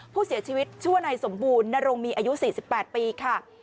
ผู้เสียชีวิตชื่อว่านายสมบูรณรงมีอายุ๔๘ปีค่ะ